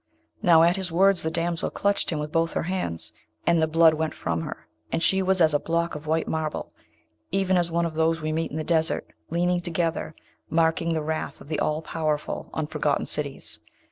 Now, at his words the damsel clutched him with both her hands, and the blood went from her, and she was as a block of white marble, even as one of those we meet in the desert, leaning together, marking the wrath of the All powerful on forgotten cities.